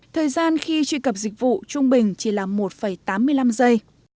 thời gian khi truy cập dịch vụ trung bình chỉ là một tám mươi năm giây